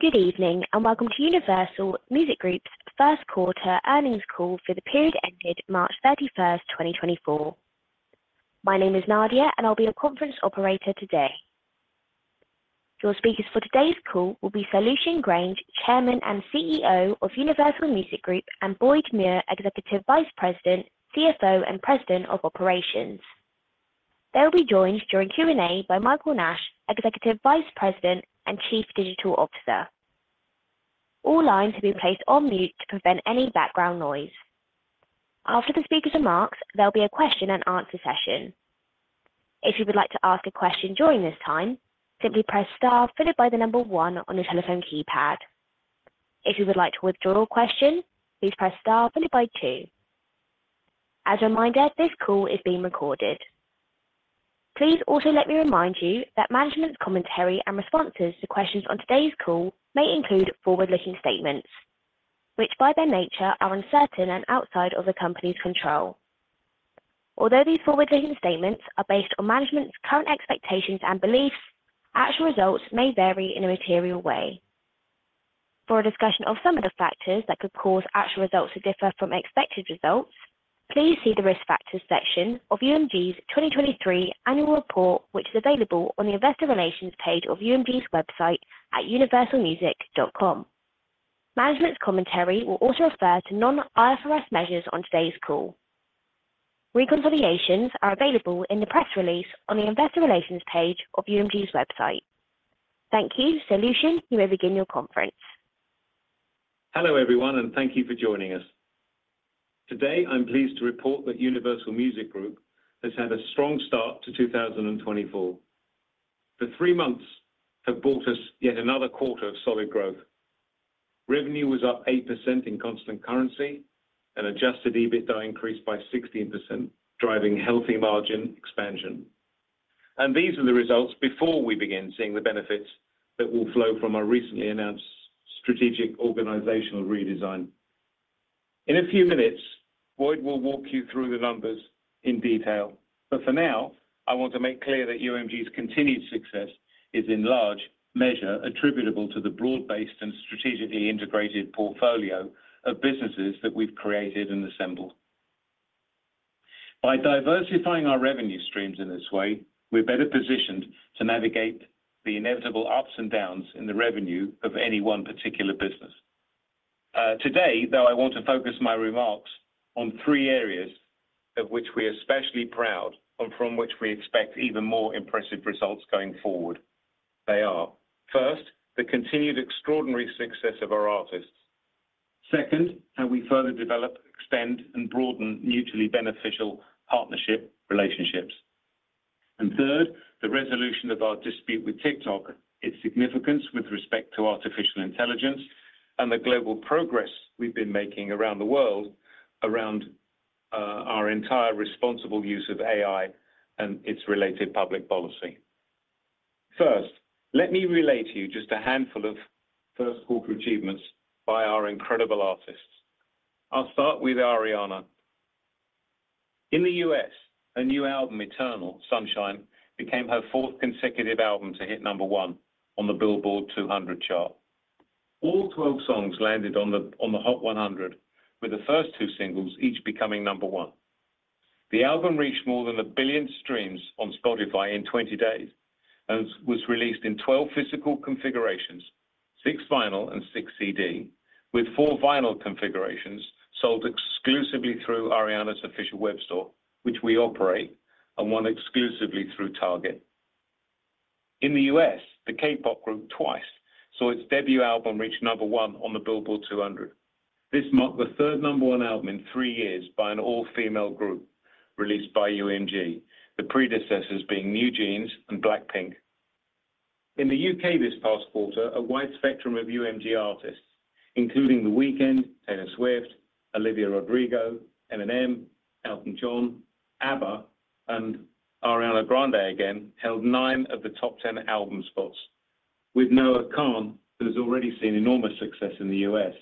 Good evening, and welcome to Universal Music Group's first quarter earnings call for the period ended March 31st, 2024. My name is Nadia, and I'll be your conference operator today. Your speakers for today's call will be Lucian Grainge, Chairman and CEO of Universal Music Group, and Boyd Muir, Executive Vice President, CFO, and President of Operations. They'll be joined during Q&A by Michael Nash, Executive Vice President and Chief Digital Officer. All lines have been placed on mute to prevent any background noise. After the speakers' remarks, there'll be a question-and-answer session. If you would like to ask a question during this time, simply press star followed by the number one on your telephone keypad. If you would like to withdraw your question, please press star followed by two. As a reminder, this call is being recorded. Please also let me remind you that management's commentary and responses to questions on today's call may include forward-looking statements, which, by their nature, are uncertain and outside of the company's control. Although these forward-looking statements are based on management's current expectations and beliefs, actual results may vary in a material way. For a discussion of some of the factors that could cause actual results to differ from expected results, please see the Risk Factors section of UMG's 2023 Annual Report, which is available on the investor relations page of UMG's website at universalmusic.com. Management's commentary will also refer to non-IFRS measures on today's call. Reconciliations are available in the press release on the investor relations page of UMG's website. Thank you. So, Lucian, you may begin your conference. Hello, everyone, and thank you for joining us. Today, I'm pleased to report that Universal Music Group has had a strong start to 2024. The three months have brought us yet another quarter of solid growth. Revenue was up 8% in constant currency and Adjusted EBITDA increased by 16%, driving healthy margin expansion. These are the results before we begin seeing the benefits that will flow from our recently announced strategic organizational redesign. In a few minutes, Boyd will walk you through the numbers in detail, but for now, I want to make clear that UMG's continued success is in large measure attributable to the broad-based and strategically integrated portfolio of businesses that we've created and assembled. By diversifying our revenue streams in this way, we're better positioned to navigate the inevitable ups and downs in the revenue of any one particular business. Today, though, I want to focus my remarks on three areas of which we're especially proud and from which we expect even more impressive results going forward. They are, first, the continued extraordinary success of our artists. Second, how we further develop, extend, and broaden mutually beneficial partnership relationships. And third, the resolution of our dispute with TikTok, its significance with respect to artificial intelligence, and the global progress we've been making around the world, our entire responsible use of AI and its related public policy. First, let me relay to you just a handful of first quarter achievements by our incredible artists. I'll start with Ariana. In the U.S., her new album, Eternal Sunshine, became her fourth consecutive album to hit number one on the Billboard 200 chart. All 12 songs landed on the Hot 100, with the first two singles each becoming number one. The album reached more than a billion streams on Spotify in 20 days and was released in 12 physical configurations, six vinyl and six CD, with four vinyl configurations sold exclusively through Ariana's official web store, which we operate, and one exclusively through Target. In the U.S., the K-pop group TWICE saw its debut album reach number one on the Billboard 200. This marked the third number one album in three years by an all-female group released by UMG, the predecessors being NewJeans and BLACKPINK. In the U.K. this past quarter, a wide spectrum of UMG artists, including The Weeknd, Taylor Swift, Olivia Rodrigo, Eminem, Elton John, ABBA, and Ariana Grande again, held nine of the top 10 album spots, with Noah Kahan, who has already seen enormous success in the U.S.,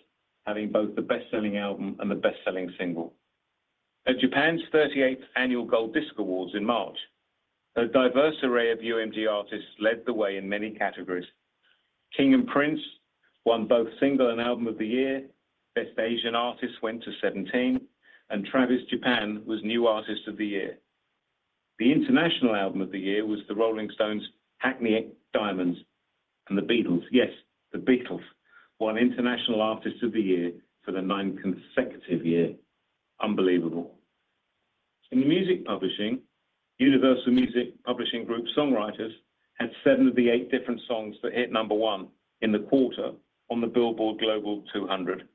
having both the best-selling album and the best-selling single. At Japan's 38th Annual Gold Disc Awards in March, a diverse array of UMG artists led the way in many categories. King & Prince won both Single and Album of the Year, Best Asian Artist went to Seventeen, and Travis Japan was New Artist of the Year. The International Album of the Year was the Rolling Stones' Hackney Diamonds, and The Beatles, yes, The Beatles, won International Artist of the Year for the ninth consecutive year. Unbelievable! In music publishing, Universal Music Publishing Group songwriters had seven of the eight different songs that hit number one in the quarter on the Billboard Global 200.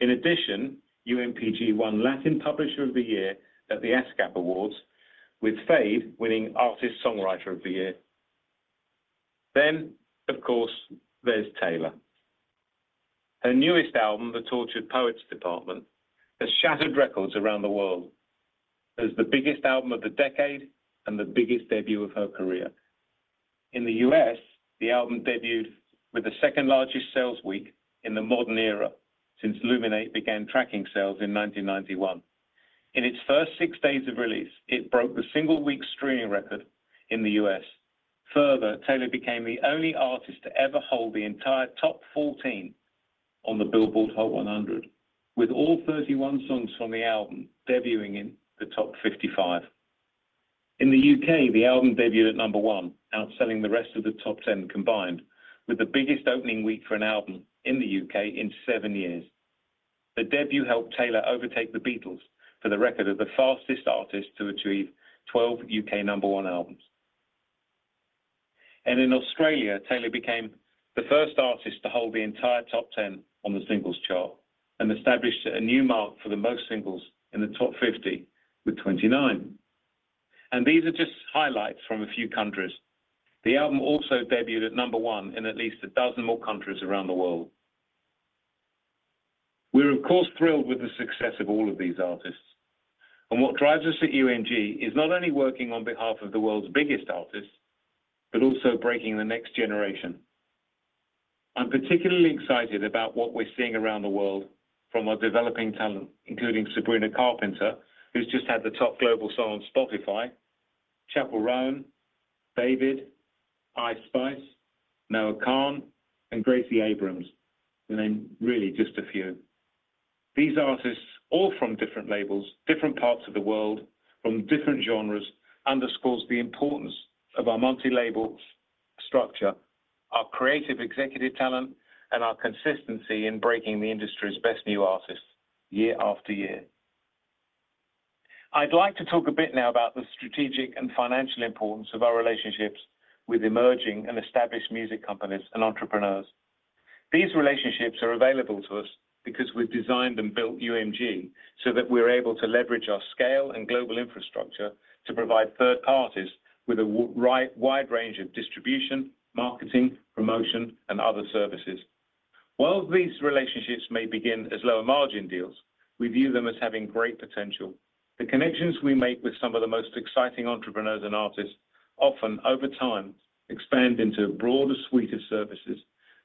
In addition, UMPG won Latin Publisher of the Year at the ASCAP Awards, with Feid winning Artist Songwriter of the Year. Then, of course, there's Taylor. Her newest album, The Tortured Poets Department, has shattered records around the world as the biggest album of the decade and the biggest debut of her career. In the US, the album debuted with the second-largest sales week in the modern era since Luminate began tracking sales in 1991. In its first six days of release, it broke the single-week streaming record in the US. Further, Taylor became the only artist to ever hold the entire top 14 on the Billboard Hot 100, with all 31 songs from the album debuting in the top 55. In the U.K., the album debuted at number one, outselling the rest of the top 10 combined, with the biggest opening week for an album in the U.K. in seven years. The debut helped Taylor overtake The Beatles for the record of the fastest artist to achieve 12 U.K. number one albums. In Australia, Taylor became the first artist to hold the entire top 10 on the singles chart and established a new mark for the most singles in the top 50, with 29. These are just highlights from a few countries. The album also debuted at number one in at least 12 more countries around the world. We're, of course, thrilled with the success of all of these artists, and what drives us at UMG is not only working on behalf of the world's biggest artists, but also breaking the next generation. I'm particularly excited about what we're seeing around the world from our developing talent, including Sabrina Carpenter, who's just had the top global song on Spotify, Chappell Roan, David, Ice Spice, Noah Kahan, and Gracie Abrams, to name really just a few. These artists, all from different labels, different parts of the world, from different genres, underscores the importance of our multi-label structure, our creative executive talent, and our consistency in breaking the industry's best new artists year after year. I'd like to talk a bit now about the strategic and financial importance of our relationships with emerging and established music companies and entrepreneurs. These relationships are available to us because we've designed and built UMG so that we're able to leverage our scale and global infrastructure to provide third parties with a wide range of distribution, marketing, promotion, and other services. While these relationships may begin as lower-margin deals, we view them as having great potential. The connections we make with some of the most exciting entrepreneurs and artists often, over time, expand into a broader suite of services,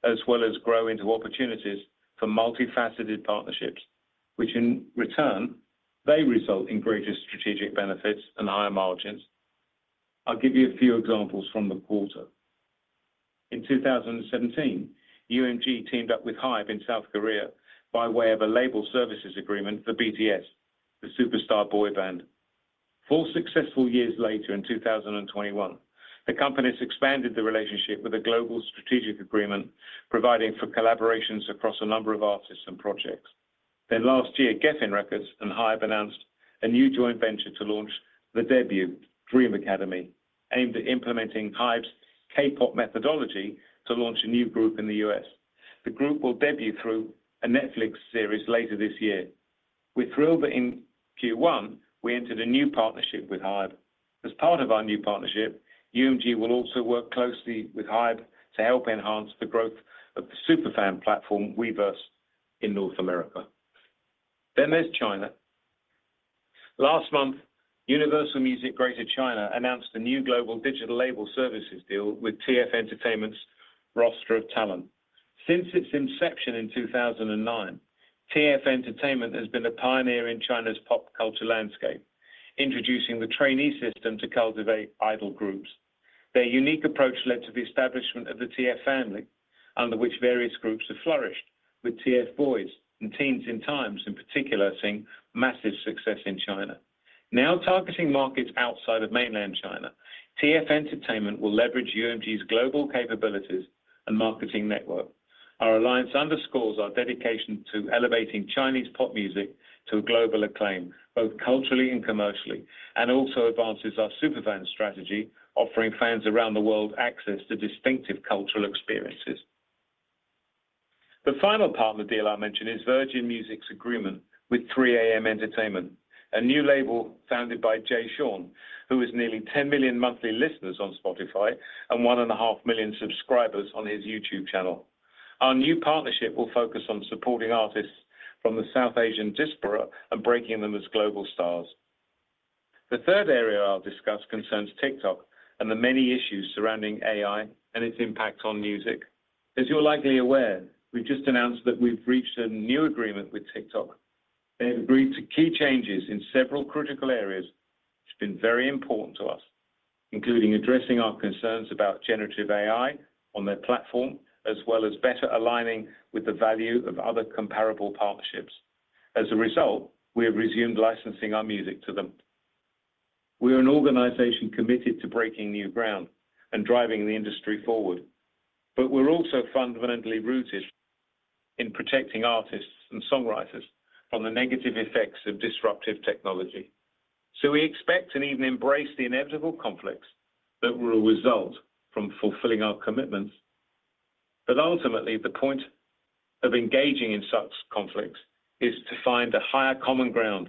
as well as grow into opportunities for multifaceted partnerships, which in return, may result in greater strategic benefits and higher margins. I'll give you a few examples from the quarter. In 2017, UMG teamed up with HYBE in South Korea by way of a label services agreement for BTS, the superstar boy band. Four successful years later, in 2021, the companies expanded the relationship with a global strategic agreement, providing for collaborations across a number of artists and projects. Then last year, Geffen Records and HYBE announced a new joint venture to launch The Debut: Dream Academy, aimed at implementing HYBE's K-pop methodology to launch a new group in the U.S. The group will debut through a Netflix series later this year. We're thrilled that in Q1, we entered a new partnership with HYBE. As part of our new partnership, UMG will also work closely with HYBE to help enhance the growth of the super fan platform, Weverse, in North America. Then there's China. Last month, Universal Music Greater China announced a new global digital label services deal with TF Entertainment's roster of talent. Since its inception in 2009, TF Entertainment has been a pioneer in China's pop culture landscape, introducing the trainee system to cultivate idol groups. Their unique approach led to the establishment of the TF Family, under which various groups have flourished, with TFBOYS and Teens in Times, in particular, seeing massive success in China. Now targeting markets outside of mainland China, TF Entertainment will leverage UMG's global capabilities and marketing network. Our alliance underscores our dedication to elevating Chinese pop music to a global acclaim, both culturally and commercially, and also advances our super fan strategy, offering fans around the world access to distinctive cultural experiences. The final partner deal I'll mention is Virgin Music's agreement with 3AM Entertainment, a new label founded by Jay Sean, who has nearly 10 million monthly listeners on Spotify and 1.5 million subscribers on his YouTube channel. Our new partnership will focus on supporting artists from the South Asian diaspora and breaking them as global stars. The third area I'll discuss concerns TikTok and the many issues surrounding AI and its impact on music. As you're likely aware, we've just announced that we've reached a new agreement with TikTok. They have agreed to key changes in several critical areas, which have been very important to us, including addressing our concerns about generative AI on their platform, as well as better aligning with the value of other comparable partnerships. As a result, we have resumed licensing our music to them. We are an organization committed to breaking new ground and driving the industry forward, but we're also fundamentally rooted in protecting artists and songwriters from the negative effects of disruptive technology. So we expect and even embrace the inevitable conflicts that will result from fulfilling our commitments. But ultimately, the point of engaging in such conflicts is to find a higher common ground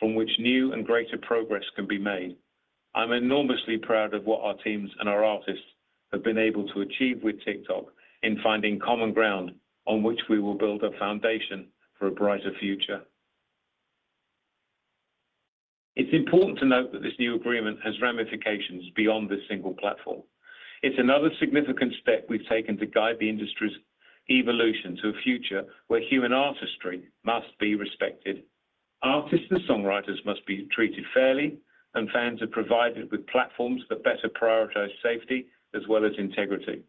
from which new and greater progress can be made. I'm enormously proud of what our teams and our artists have been able to achieve with TikTok in finding common ground on which we will build a foundation for a brighter future. It's important to note that this new agreement has ramifications beyond this single platform.... It's another significant step we've taken to guide the industry's evolution to a future where human artistry must be respected. Artists and songwriters must be treated fairly, and fans are provided with platforms that better prioritize safety as well as integrity.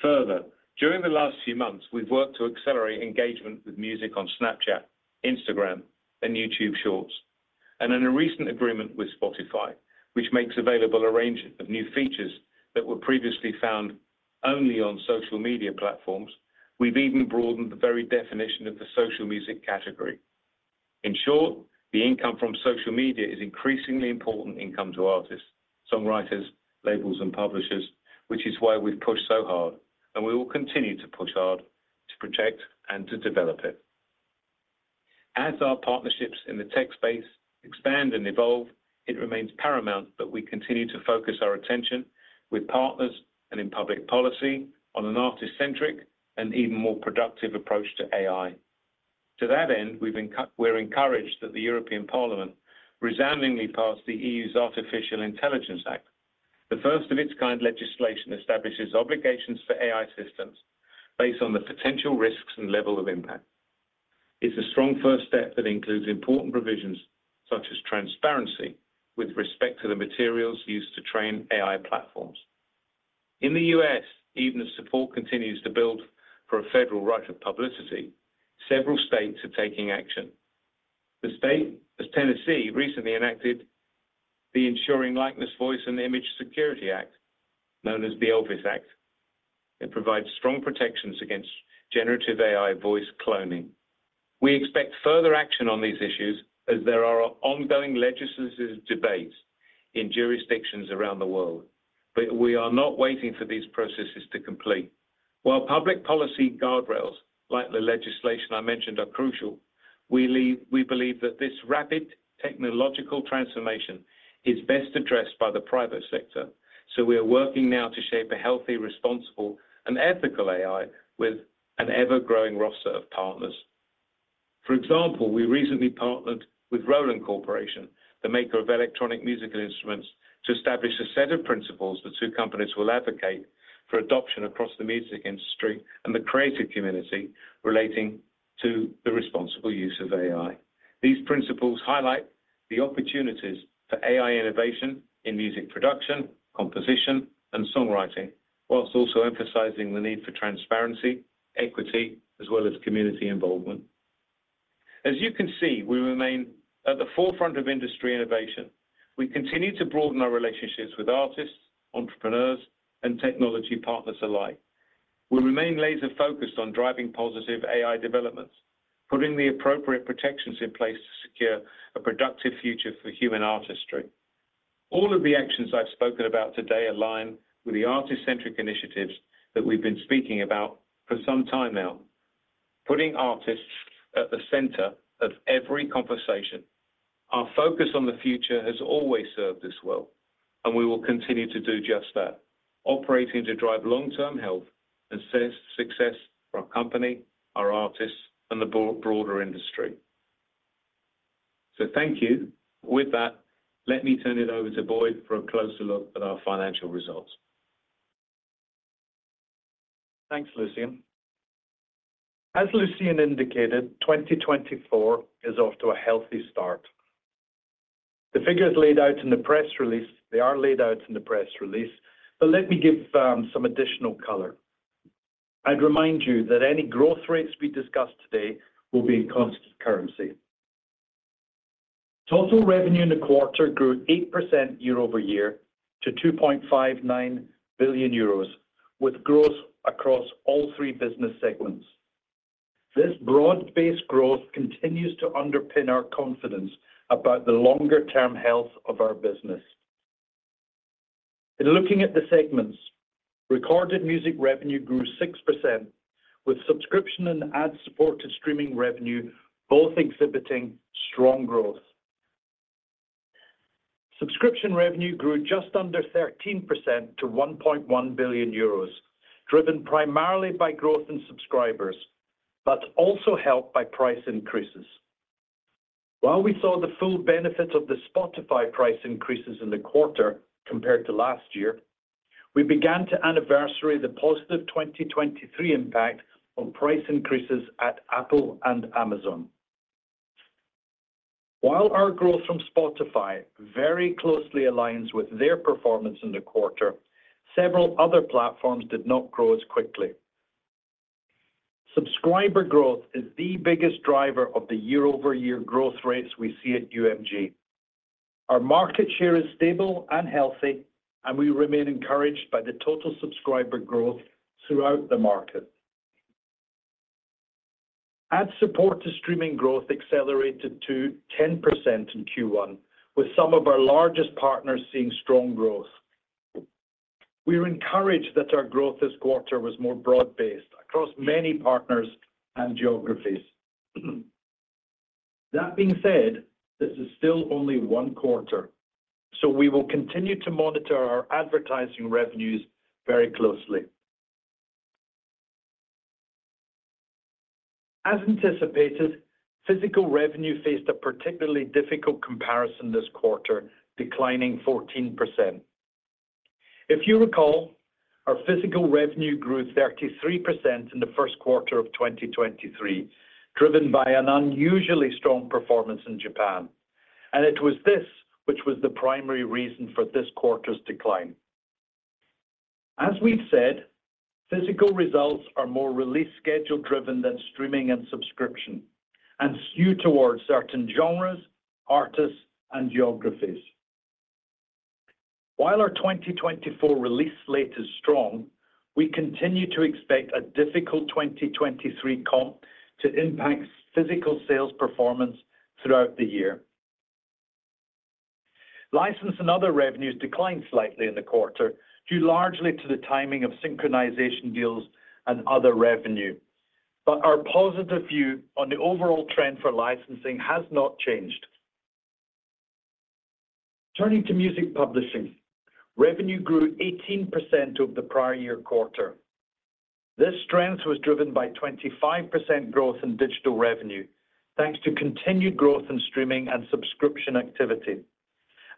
Further, during the last few months, we've worked to accelerate engagement with music on Snapchat, Instagram, and YouTube Shorts, and in a recent agreement with Spotify, which makes available a range of new features that were previously found only on social media platforms, we've even broadened the very definition of the social music category. In short, the income from social media is increasingly important income to artists, songwriters, labels, and publishers, which is why we've pushed so hard, and we will continue to push hard to protect and to develop it. As our partnerships in the tech space expand and evolve, it remains paramount that we continue to focus our attention with partners and in public policy on an artist-centric and even more productive approach to AI. To that end, we're encouraged that the European Parliament resoundingly passed the EU Artificial Intelligence Act. The first of its kind legislation establishes obligations for AI systems based on the potential risks and level of impact. It's a strong first step that includes important provisions such as transparency, with respect to the materials used to train AI platforms. In the U.S., even as support continues to build for a federal right of publicity, several states are taking action. The state of Tennessee recently enacted the Ensuring Likeness, Voice, and Image Security Act, known as the ELVIS Act. It provides strong protections against generative AI voice cloning. We expect further action on these issues as there are ongoing legislative debates in jurisdictions around the world, but we are not waiting for these processes to complete. While public policy guardrails, like the legislation I mentioned, are crucial, we believe that this rapid technological transformation is best addressed by the private sector. So we are working now to shape a healthy, responsible, and ethical AI with an ever-growing roster of partners. For example, we recently partnered with Roland Corporation, the maker of electronic musical instruments, to establish a set of principles the two companies will advocate for adoption across the music industry and the creative community relating to the responsible use of AI. These principles highlight the opportunities for AI innovation in music production, composition, and songwriting, while also emphasizing the need for transparency, equity, as well as community involvement. As you can see, we remain at the forefront of industry innovation. We continue to broaden our relationships with artists, entrepreneurs, and technology partners alike. We remain laser-focused on driving positive AI developments, putting the appropriate protections in place to secure a productive future for human artistry. All of the actions I've spoken about today align with the artist-centric initiatives that we've been speaking about for some time now, putting artists at the center of every conversation. Our focus on the future has always served us well, and we will continue to do just that, operating to drive long-term health and success for our company, our artists, and the broader industry. So thank you. With that, let me turn it over to Boyd for a closer look at our financial results. Thanks, Lucian. As Lucian indicated, 2024 is off to a healthy start. The figures laid out in the press release, they are laid out in the press release, but let me give, some additional color. I'd remind you that any growth rates we discuss today will be in constant currency. Total revenue in the quarter grew 8% year-over-year to 2.59 billion euros, with growth across all three business segments. This broad-based growth continues to underpin our confidence about the longer-term health of our business. In looking at the segments, recorded music revenue grew 6%, with subscription and ad-supported streaming revenue both exhibiting strong growth. Subscription revenue grew just under 13% to 1.1 billion euros, driven primarily by growth in subscribers, but also helped by price increases. While we saw the full benefits of the Spotify price increases in the quarter compared to last year, we began to anniversary the positive 2023 impact on price increases at Apple and Amazon. While our growth from Spotify very closely aligns with their performance in the quarter, several other platforms did not grow as quickly. Subscriber growth is the biggest driver of the year-over-year growth rates we see at UMG. Our market share is stable and healthy, and we remain encouraged by the total subscriber growth throughout the market. Ad-supported streaming growth accelerated to 10% in Q1, with some of our largest partners seeing strong growth. We are encouraged that our growth this quarter was more broad-based across many partners and geographies. That being said, this is still only one quarter, so we will continue to monitor our advertising revenues very closely. As anticipated, physical revenue faced a particularly difficult comparison this quarter, declining 14%. If you recall, our physical revenue grew 33% in the first quarter of 2023, driven by an unusually strong performance in Japan, and it was this which was the primary reason for this quarter's decline. As we've said, physical results are more release schedule-driven than streaming and subscription, and skew toward certain genres, artists, and geographies. While our 2024 release slate is strong, we continue to expect a difficult 2023 comp to impact physical sales performance throughout the year. License and other revenues declined slightly in the quarter, due largely to the timing of synchronization deals and other revenue. But our positive view on the overall trend for licensing has not changed. Turning to music publishing, revenue grew 18% over the prior year quarter. This strength was driven by 25% growth in digital revenue, thanks to continued growth in streaming and subscription activity,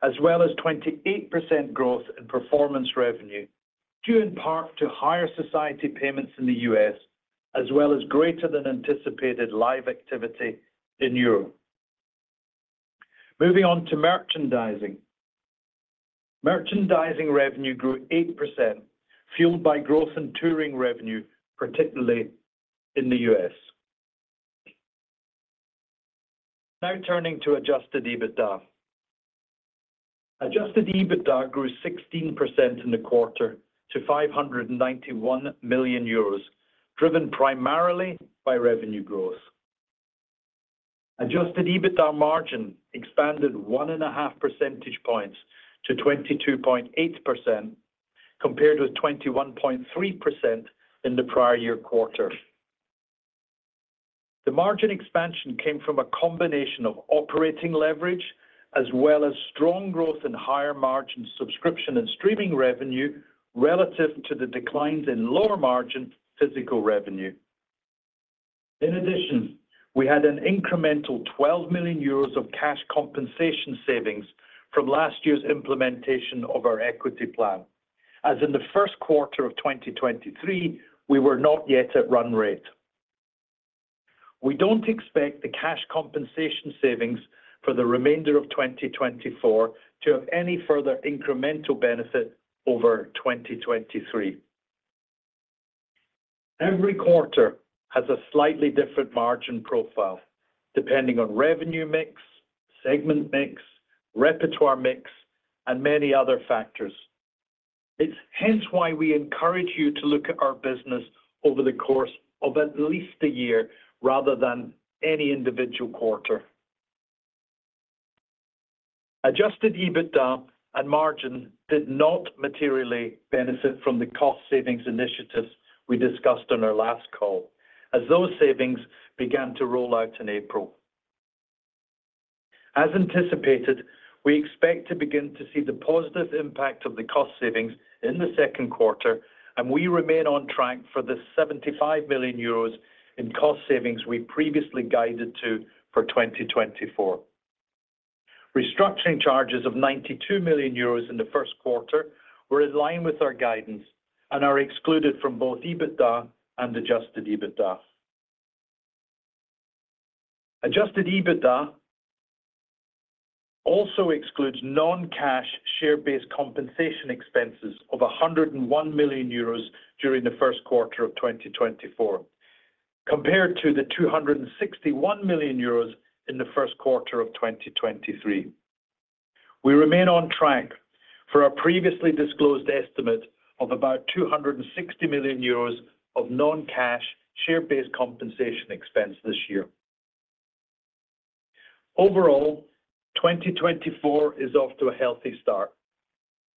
as well as 28% growth in performance revenue, due in part to higher society payments in the US, as well as greater than anticipated live activity in Europe. Moving on to merchandising. Merchandising revenue grew 8%, fueled by growth in touring revenue, particularly in the US. Now, turning to Adjusted EBITDA. Adjusted EBITDA grew 16% in the quarter to 591 million euros, driven primarily by revenue growth. Adjusted EBITDA margin expanded 1.5 percentage points to 22.8%, compared with 21.3% in the prior year quarter. The margin expansion came from a combination of operating leverage, as well as strong growth in higher margin subscription and streaming revenue, relative to the declines in lower margin physical revenue. In addition, we had an incremental 12 million euros of cash compensation savings from last year's implementation of our equity plan. As in the first quarter of 2023, we were not yet at run rate. We don't expect the cash compensation savings for the remainder of 2024 to have any further incremental benefit over 2023. Every quarter has a slightly different margin profile, depending on revenue mix, segment mix, repertoire mix, and many other factors. It's hence why we encourage you to look at our business over the course of at least a year, rather than any individual quarter. Adjusted EBITDA and margin did not materially benefit from the cost savings initiatives we discussed on our last call, as those savings began to roll out in April. As anticipated, we expect to begin to see the positive impact of the cost savings in the second quarter, and we remain on track for 75 million euros in cost savings we previously guided to for 2024. Restructuring charges of 92 million euros in the first quarter were in line with our guidance and are excluded from both EBITDA and adjusted EBITDA. Adjusted EBITDA also excludes non-cash share-based compensation expenses of 101 million euros during the first quarter of 2024, compared to 261 million euros in the first quarter of 2023. We remain on track for our previously disclosed estimate of about 260 million euros of non-cash share-based compensation expense this year. Overall, 2024 is off to a healthy start.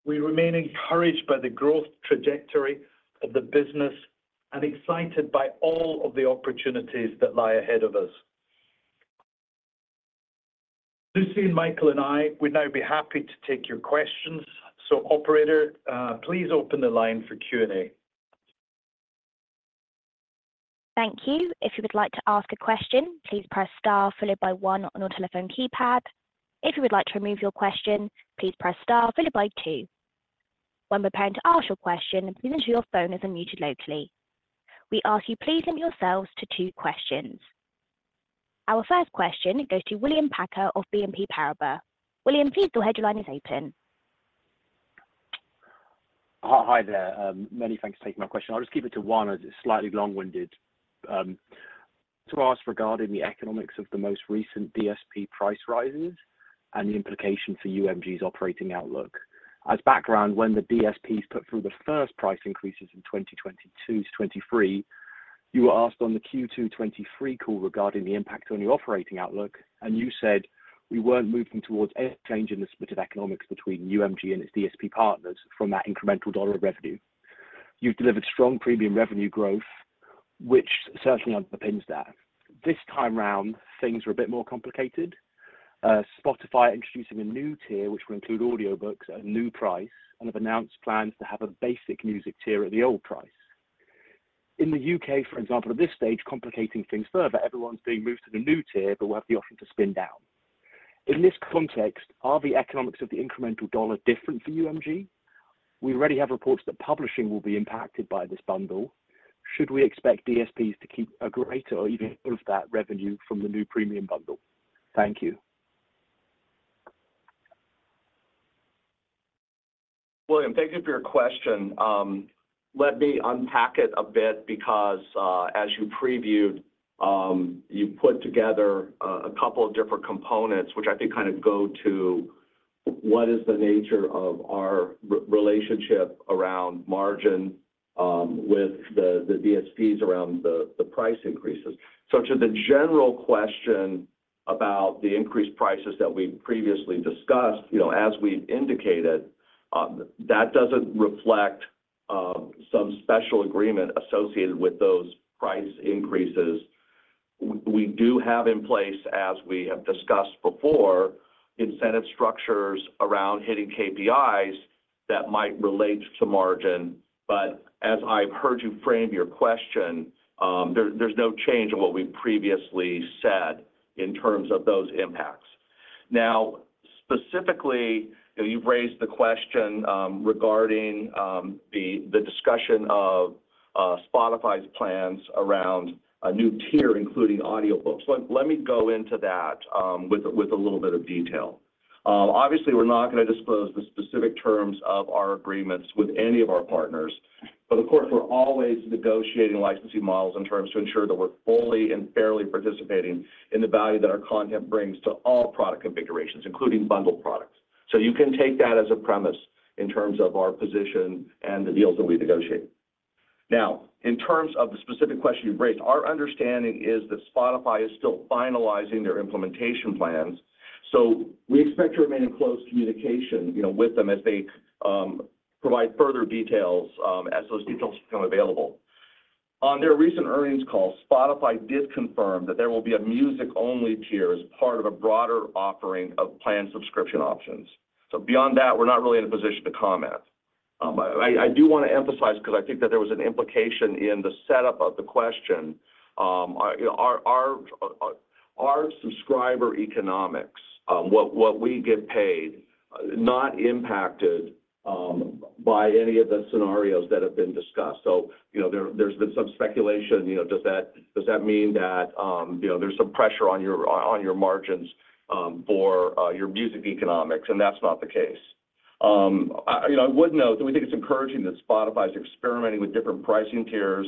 We remain encouraged by the growth trajectory of the business and excited by all of the opportunities that lie ahead of us. Lucian, Michael, and I would now be happy to take your questions. So operator, please open the line for Q&A. Thank you. If you would like to ask a question, please press star followed by one on your telephone keypad. If you would like to remove your question, please press star followed by two. When preparing to ask your question, ensure your phone is unmuted locally. We ask you please limit yourselves to two questions. Our first question goes to William Packer of BNP Paribas. William, please go ahead. Your line is open. Hi there. Many thanks for taking my question. I'll just keep it to one, as it's slightly long-winded. To ask regarding the economics of the most recent DSP price rises and the implication for UMG's operating outlook. As background, when the DSPs put through the first price increases in 2022 to 2023, you were asked on the Q2 2023 call regarding the impact on your operating outlook, and you said, "We weren't moving towards any change in the split of economics between UMG and its DSP partners from that incremental dollar of revenue." You've delivered strong premium revenue growth, which certainly underpins that. This time around, things are a bit more complicated... Spotify introducing a new tier, which will include audiobooks at a new price, and have announced plans to have a basic music tier at the old price. In the UK, for example, at this stage, complicating things further, everyone's being moved to the new tier, but will have the option to spin down. In this context, are the economics of the incremental dollar different for UMG? We already have reports that publishing will be impacted by this bundle. Should we expect DSPs to keep a greater or even of that revenue from the new premium bundle? Thank you. William, thank you for your question. Let me unpack it a bit because, as you previewed, you put together a couple of different components, which I think kind of go to what is the nature of our relationship around margin, with the DSPs around the price increases. So to the general question about the increased prices that we've previously discussed, you know, as we've indicated, that doesn't reflect some special agreement associated with those price increases. We do have in place, as we have discussed before, incentive structures around hitting KPIs that might relate to margin, but as I've heard you frame your question, there's no change in what we previously said in terms of those impacts. Now, specifically, you've raised the question regarding the discussion of Spotify's plans around a new tier, including audiobooks. Let me go into that, with a little bit of detail. Obviously, we're not gonna disclose the specific terms of our agreements with any of our partners, but of course, we're always negotiating licensing models and terms to ensure that we're fully and fairly participating in the value that our content brings to all product configurations, including bundled products. So you can take that as a premise in terms of our position and the deals that we negotiate. Now, in terms of the specific question you raised, our understanding is that Spotify is still finalizing their implementation plans, so we expect to remain in close communication, you know, with them as they provide further details, as those details become available. On their recent earnings call, Spotify did confirm that there will be a music-only tier as part of a broader offering of plan subscription options. So beyond that, we're not really in a position to comment. I do want to emphasize because I think that there was an implication in the setup of the question, our subscriber economics, what we get paid, not impacted by any of the scenarios that have been discussed. So, you know, there's been some speculation, you know, does that mean that, you know, there's some pressure on your margins for your music economics? And that's not the case. I would note that we think it's encouraging that Spotify is experimenting with different pricing tiers.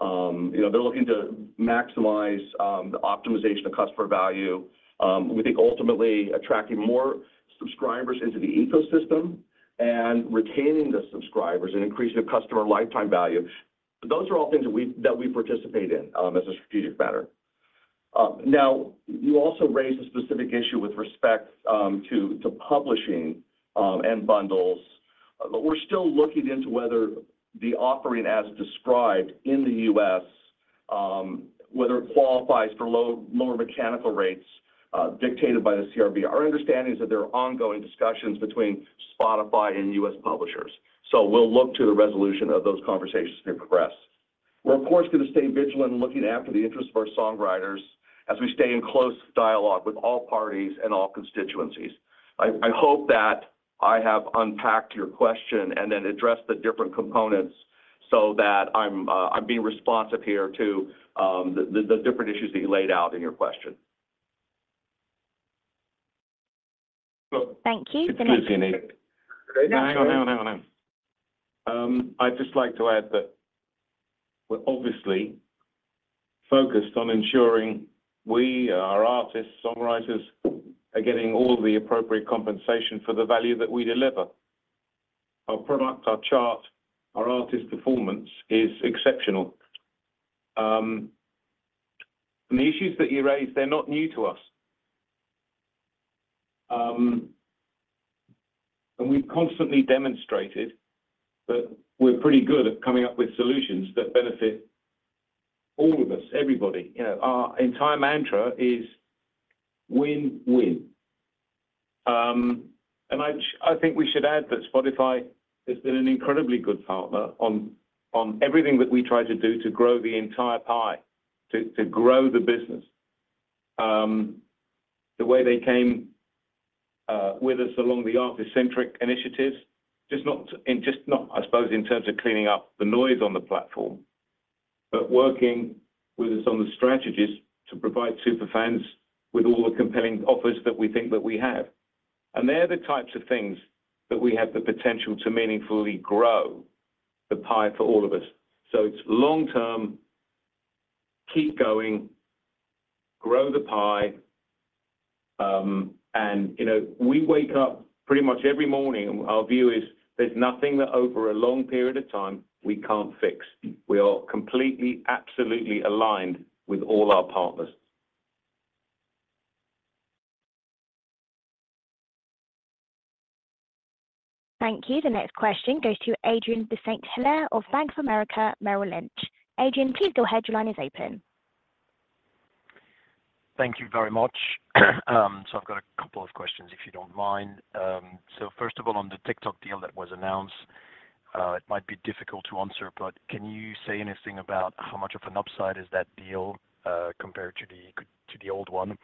You know, they're looking to maximize the optimization of customer value. We think ultimately attracting more subscribers into the ecosystem and retaining the subscribers and increasing the customer lifetime value, those are all things that we, that we participate in, as a strategic matter. Now, you also raised a specific issue with respect to publishing and bundles. But we're still looking into whether the offering as described in the U.S., whether it qualifies for lower mechanical rates dictated by the CRB. Our understanding is that there are ongoing discussions between Spotify and U.S. publishers, so we'll look to the resolution of those conversations to progress. We're, of course, gonna stay vigilant in looking after the interest of our songwriters as we stay in close dialogue with all parties and all constituencies. I hope that I have unpacked your question and then addressed the different components so that I'm being responsive here to the different issues that you laid out in your question. Thank you. It's clear, Jenny. Hang on, hang on, hang on. I'd just like to add that we're obviously focused on ensuring we, our artists, songwriters, are getting all the appropriate compensation for the value that we deliver. Our product, our chart, our artist's performance is exceptional. And the issues that you raised, they're not new to us. And we've constantly demonstrated that we're pretty good at coming up with solutions that benefit all of us, everybody. You know, our entire mantra is win-win. And I, I think we should add that Spotify has been an incredibly good partner on, on everything that we try to do to grow the entire pie, to, to grow the business. The way they came with us along the artist-centric initiatives, just not in, just not, I suppose, in terms of cleaning up the noise on the platform, but working with us on the strategies to provide super fans with all the compelling offers that we think that we have. And they're the types of things that we have the potential to meaningfully grow the pie for all of us. So it's long term, keep going, grow the pie. And, you know, we wake up pretty much every morning, and our view is there's nothing that over a long period of time we can't fix. We are completely, absolutely aligned with all our partners.... Thank you. The next question goes to Adrien de Saint Hilaire of Bank of America Merrill Lynch. Adrien, please go ahead. Your line is open. Thank you very much. So I've got a couple of questions, if you don't mind. So first of all, on the TikTok deal that was announced, it might be difficult to answer, but can you say anything about how much of an upside is that deal, compared to the, to the old one,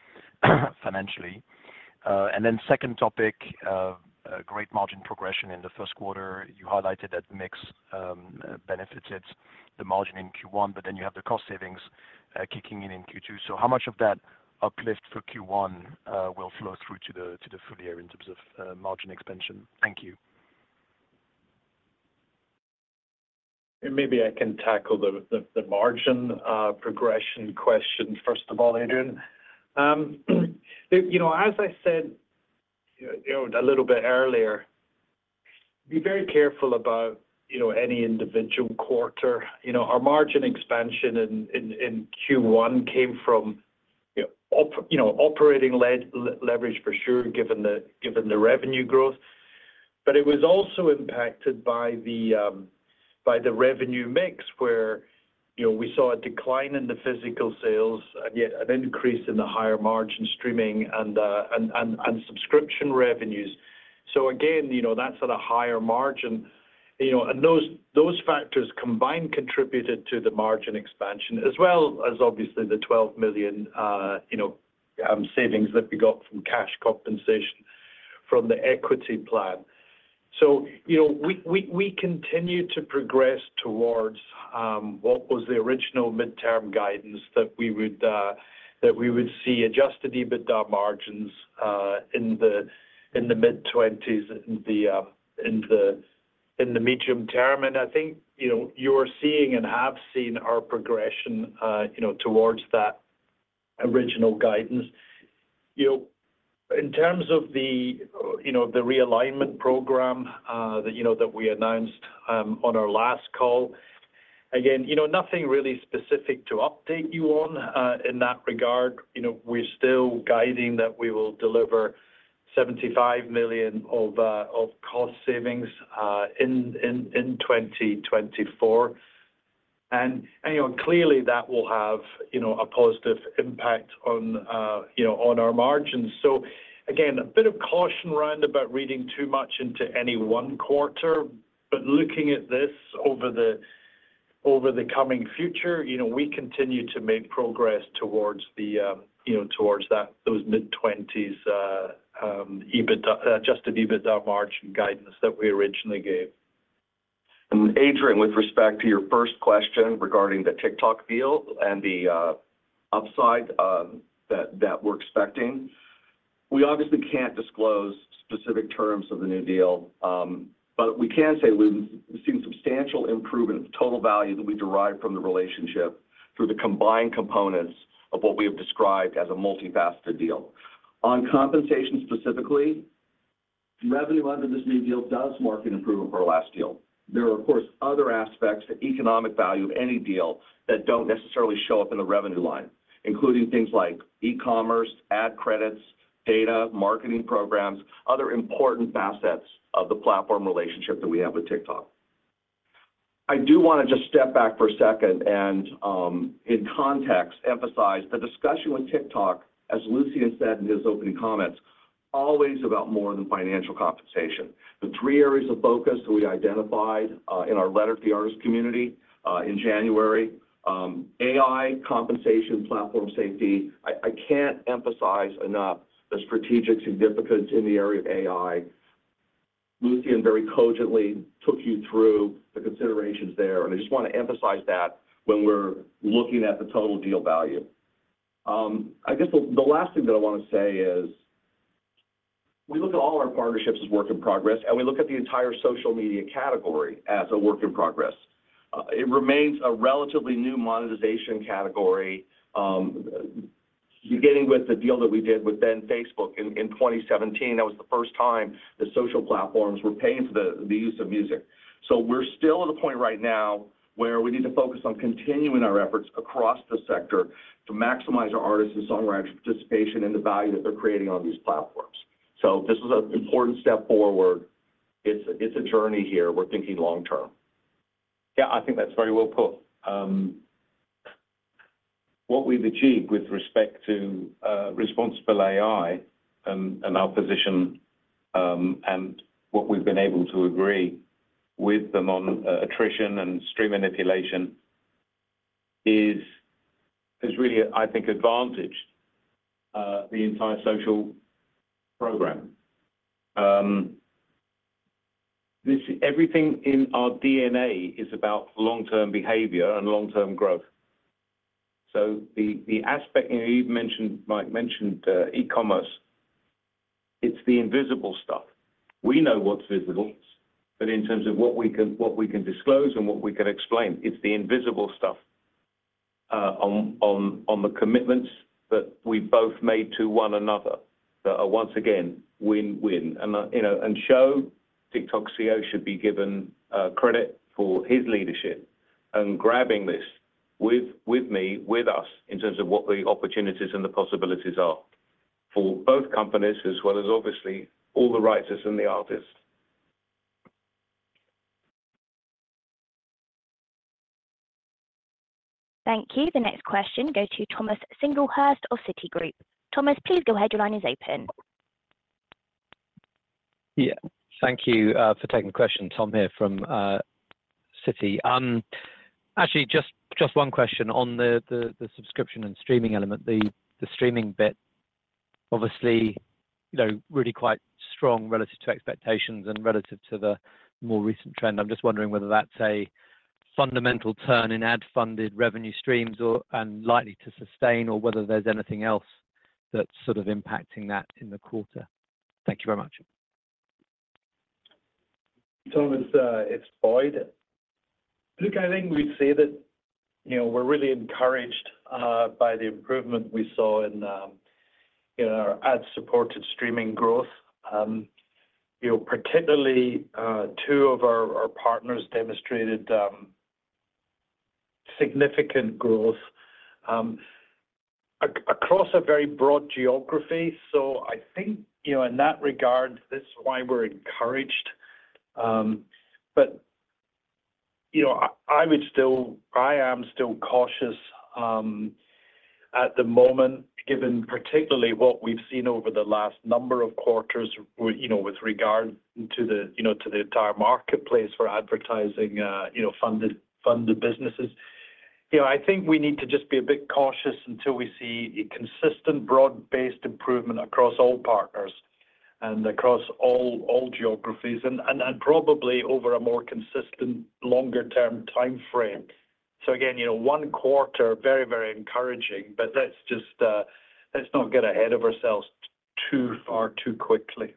financially? And then second topic, a great margin progression in the first quarter. You highlighted that mix, benefited the margin in Q1, but then you have the cost savings, kicking in in Q2. So how much of that uplift for Q1, will flow through to the, to the full year in terms of, margin expansion? Thank you. And maybe I can tackle the margin progression question first of all, Adrien. You know, as I said, you know, a little bit earlier, be very careful about, you know, any individual quarter. You know, our margin expansion in Q1 came from, you know, operating leverage for sure, given the revenue growth. But it was also impacted by the revenue mix, where, you know, we saw a decline in the physical sales and yet an increase in the higher margin streaming and subscription revenues. So again, you know, that's at a higher margin, you know. And those factors combined contributed to the margin expansion, as well as obviously the 12 million savings that we got from cash compensation from the equity plan. So, you know, we continue to progress towards what was the original midterm guidance that we would see adjusted EBITDA margins in the mid-20s in the medium term. And I think, you know, you're seeing and have seen our progression towards that original guidance. You know, in terms of the realignment program that we announced on our last call, again, you know, nothing really specific to update you on in that regard. You know, we're still guiding that we will deliver 75 million of cost savings in 2024. And, you know, clearly, that will have a positive impact on our margins. So again, a bit of caution around about reading too much into any one quarter, but looking at this over the coming future, you know, we continue to make progress towards those mid-twenties Adjusted EBITDA margin guidance that we originally gave. Adrien, with respect to your first question regarding the TikTok deal and the upside that we're expecting, we obviously can't disclose specific terms of the new deal. But we can say we've seen substantial improvement of total value that we derived from the relationship through the combined components of what we have described as a multifaceted deal. On compensation, specifically, revenue under this new deal does mark an improvement over our last deal. There are, of course, other aspects to economic value of any deal that don't necessarily show up in the revenue line, including things like e-commerce, ad credits, data, marketing programs, other important facets of the platform relationship that we have with TikTok. I do want to just step back for a second and, in context, emphasize the discussion with TikTok, as Lucian said in his opening comments, always about more than financial compensation. The three areas of focus that we identified in our letter to the artists community in January, AI, compensation, platform safety. I can't emphasize enough the strategic significance in the area of AI. Lucian very cogently took you through the considerations there, and I just want to emphasize that when we're looking at the total deal value. I guess the last thing that I want to say is, we look at all our partnerships as work in progress, and we look at the entire social media category as a work in progress. It remains a relatively new monetization category. Beginning with the deal that we did with then Facebook in 2017, that was the first time the social platforms were paying for the use of music. So we're still at a point right now where we need to focus on continuing our efforts across the sector to maximize our artists' and songwriters' participation in the value that they're creating on these platforms. So this is an important step forward. It's a journey here. We're thinking long term. Yeah, I think that's very well put. What we've achieved with respect to responsible AI and our position, and what we've been able to agree with them on, attrition and stream manipulation is, has really, I think, advantaged the entire social program. This, everything in our DNA is about long-term behavior and long-term growth. So the aspect, and you've mentioned, Mike mentioned, e-commerce, it's the invisible stuff. We know what's visible, but in terms of what we can disclose and what we can explain, it's the invisible stuff on the commitments that we've both made to one another, that are once again, win-win. You know, and Shou, TikTok's CEO, should be given credit for his leadership and grabbing this with, with me, with us, in terms of what the opportunities and the possibilities are for both companies as well as obviously all the writers and the artists. Thank you. The next question goes to Thomas Singlehurst of Citigroup. Thomas, please go ahead. Your line is open. Yeah, thank you for taking the question. Tom here from Citi. Actually, just one question on the subscription and streaming element, the streaming bit, obviously, you know, really quite strong relative to expectations and relative to the more recent trend. I'm just wondering whether that's a fundamental turn in ad-funded revenue streams or and likely to sustain or whether there's anything else that's sort of impacting that in the quarter. Thank you very much. Thomas, it's Boyd. Look, I think we'd say that, you know, we're really encouraged by the improvement we saw in our ad-supported streaming growth. You know, particularly, two of our partners demonstrated significant growth across a very broad geography. So I think, you know, in that regard, this is why we're encouraged. But, you know, I would still. I am still cautious at the moment, given particularly what we've seen over the last number of quarters, you know, with regard to the entire marketplace for advertising funded businesses. You know, I think we need to just be a bit cautious until we see a consistent, broad-based improvement across all partners and across all geographies and probably over a more consistent, longer-term time frame. So again, you know, one quarter, very, very encouraging, but let's just, let's not get ahead of ourselves too far, too quickly.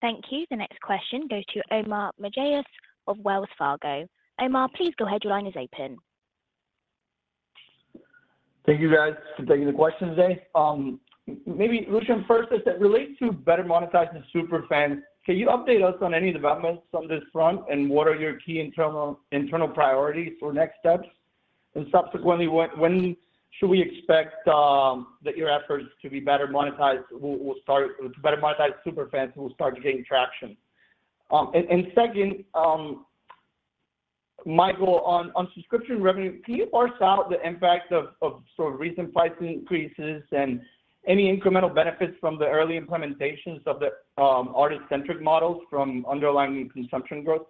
Thank you. The next question goes to Omar Mejias of Wells Fargo. Omar, please go ahead. Your line is open. Thank you, guys, to take the question today. Maybe Lucian, first, is that relates to better monetizing the super fan, can you update us on any developments on this front, and what are your key internal priorities for next steps? And subsequently, when should we expect that your efforts to be better monetized will start, better monetized super fans will start to gain traction? And second, Michael, on subscription revenue, can you parse out the impact of sort of recent pricing increases and any incremental benefits from the early implementations of the artist-centric models from underlying consumption growth?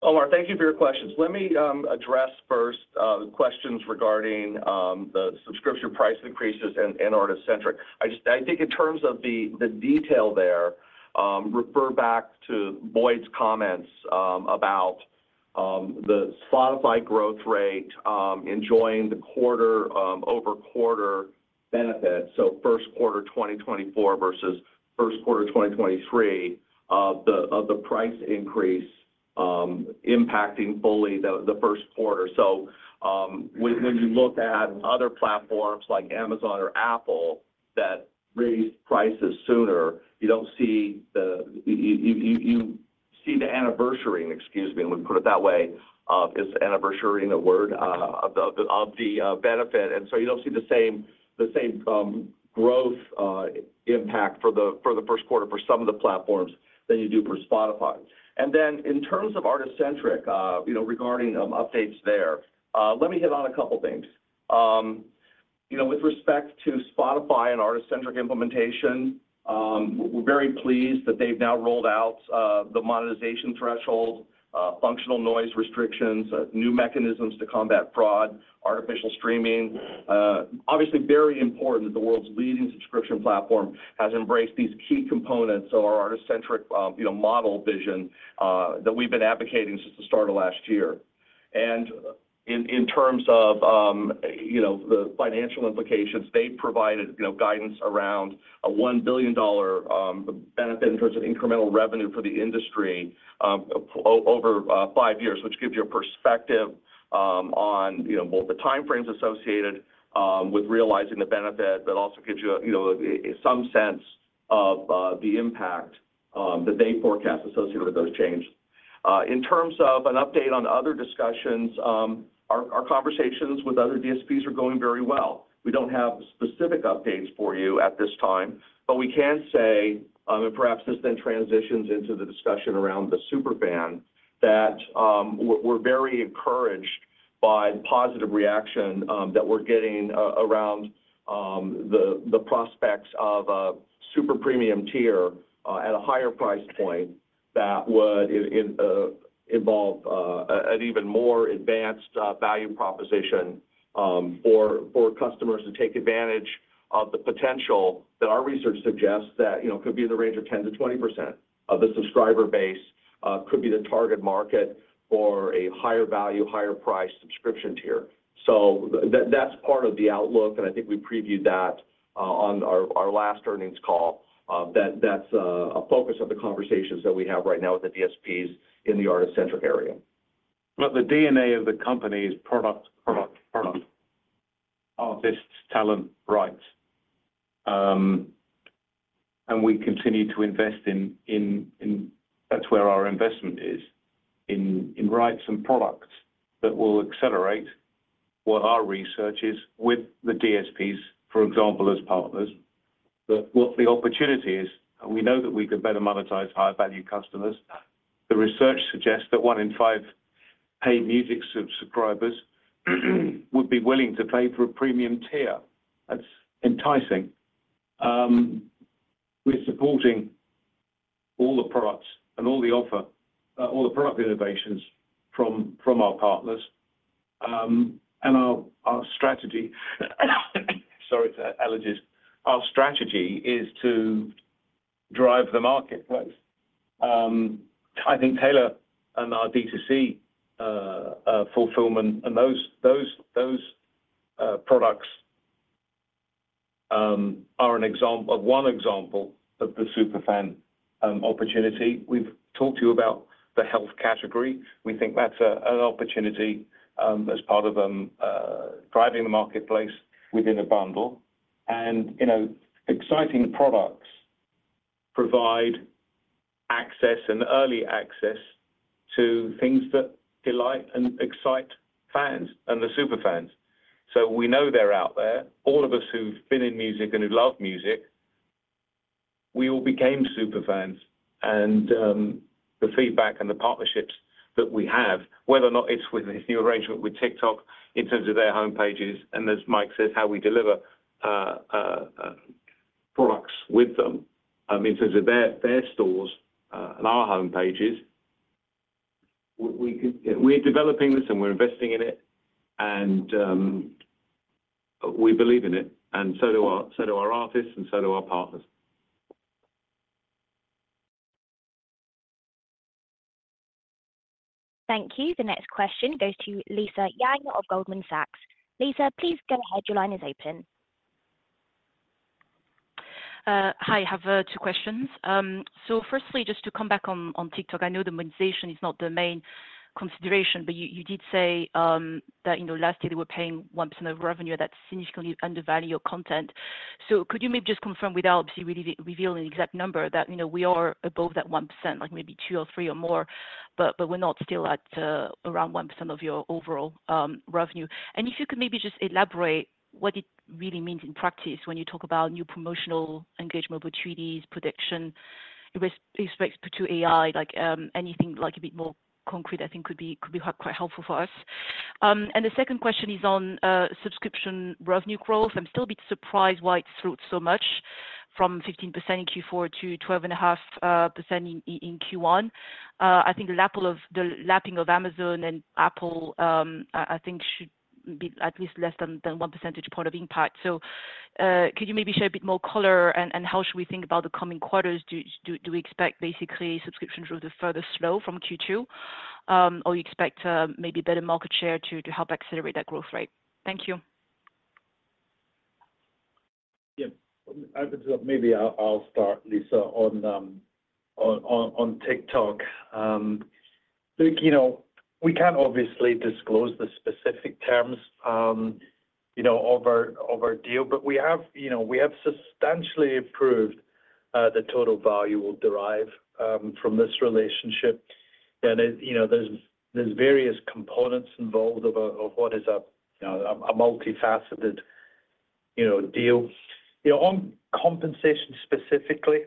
Thank you. Omar, thank you for your questions. Let me address first the questions regarding the subscription price increases and, and artist-centric. I just- I think in terms of the detail there, refer back to Boyd's comments about the Spotify growth rate enjoying the quarter-over-quarter benefit, so first quarter 2024 versus first quarter 2023, of the price increase impacting fully the first quarter. So, when you look at other platforms like Amazon or Apple that raised prices sooner, you don't see the—you see the anniversary, excuse me, let me put it that way, is anniversarying a word, of the benefit, and so you don't see the same growth impact for the first quarter for some of the platforms than you do for Spotify. And then in terms of artist-centric, you know, regarding updates there, let me hit on a couple of things. You know, with respect to Spotify and artist-centric implementation, we're very pleased that they've now rolled out the monetization threshold, functional noise restrictions, new mechanisms to combat fraud, artificial streaming. Obviously very important, the world's leading subscription platform has embraced these key components of our artist-centric, you know, model vision that we've been advocating since the start of last year. In terms of, you know, the financial implications, they provided, you know, guidance around a $1 billion benefit in terms of incremental revenue for the industry over five years, which gives you a perspective on, you know, both the time frames associated with realizing the benefit, but also gives you a, you know, some sense of the impact that they forecast associated with those changes. In terms of an update on other discussions, our conversations with other DSPs are going very well. We don't have specific updates for you at this time, but we can say, and perhaps this then transitions into the discussion around the super fan, that we're very encouraged by the positive reaction that we're getting around the prospects of a super premium tier at a higher price point that would involve an even more advanced value proposition for customers to take advantage of the potential that our research suggests that, you know, could be in the range of 10%-20% of the subscriber base could be the target market for a higher value, higher price subscription tier. So that's part of the outlook, and I think we previewed that on our last earnings call, that that's a focus of the conversations that we have right now with the DSPs in the artist-centric area. But the DNA of the company is product, product, product.... artists, talent, rights. And we continue to invest in-- That's where our investment is, in rights and products that will accelerate what our research is with the DSPs, for example, as partners, but what the opportunity is, and we know that we could better monetize higher-value customers. The research suggests that one in five paid music subscribers would be willing to pay for a premium tier. That's enticing. We're supporting all the products and all the offer, all the product innovations from our partners. And our strategy, sorry, it's allergies. Our strategy is to drive the marketplace. I think Taylor and our D2C, fulfillment and those products are one example of the superfan opportunity. We've talked to you about the health category. We think that's an opportunity, as part of driving the marketplace within a bundle. And, you know, exciting products provide access and early access to things that delight and excite fans and the superfans. So we know they're out there. All of us who've been in music and who love music, we all became superfans. And, the feedback and the partnerships that we have, whether or not it's with this new arrangement with TikTok in terms of their homepages, and as Mike says, how we deliver products with them, I mean, in terms of their stores, and our homepages, we're developing this, and we're investing in it, and we believe in it, and so do our artists and so do our partners. Thank you. The next question goes to Lisa Yang of Goldman Sachs. Lisa, please go ahead. Your line is open. Hi, I have two questions. So firstly, just to come back on TikTok, I know the monetization is not the main consideration, but you did say that, you know, lastly, they were paying 1% of revenue. That significantly undervalue your content. So could you maybe just confirm without obviously really revealing the exact number, that, you know, we are above that 1%, like maybe two or three or more, but we're not still at around 1% of your overall revenue? And if you could maybe just elaborate what it really means in practice when you talk about new promotional engagement with TikTok protections with respect to AI, like anything like a bit more concrete, I think could be quite helpful for us. And the second question is on subscription revenue growth. I'm still a bit surprised why it's dropped so much from 15% in Q4 to 12.5% in Q1. I think the lapping of Amazon and Apple, I think should be at least less than one percentage point of impact. So, could you maybe share a bit more color, and how should we think about the coming quarters? Do we expect basically subscription to further slow from Q2, or you expect maybe better market share to help accelerate that growth rate? Thank you. Yeah. Maybe I'll start, Lisa, on TikTok. Look, you know, we can't obviously disclose the specific terms, you know, of our deal, but we have, you know, we have substantially improved the total value we'll derive from this relationship. And, you know, there's various components involved of what is a multifaceted deal. You know, on compensation specifically,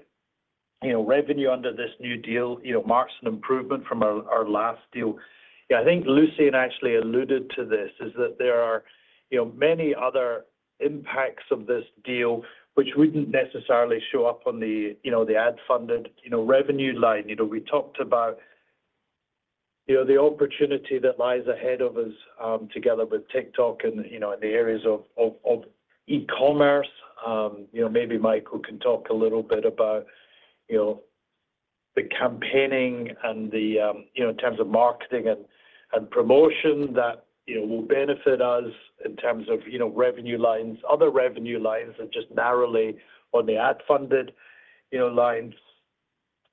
you know, revenue under this new deal marks an improvement from our last deal. Yeah, I think Lucian actually alluded to this, is that there are many other impacts of this deal, which wouldn't necessarily show up on the ad-funded revenue line. You know, we talked about, you know, the opportunity that lies ahead of us, together with TikTok and, you know, in the areas of e-commerce. You know, maybe Michael can talk a little bit about, you know, the campaigning and the, you know, in terms of marketing and promotion that, you know, will benefit us in terms of, you know, revenue lines, other revenue lines, and just narrowly on the ad-funded, you know, lines.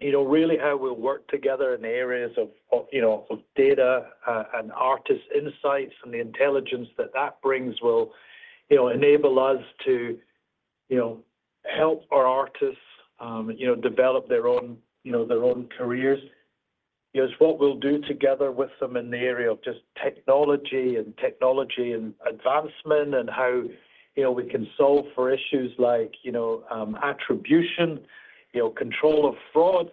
You know, really how we'll work together in the areas of data and artist insights and the intelligence that that brings will, you know, enable us to, you know, help our artists, you know, develop their own, you know, their own careers. Is what we'll do together with them in the area of just technology and technology and advancement, and how, you know, we can solve for issues like, you know, attribution, you know, control of fraud.